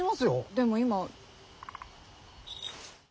でも今。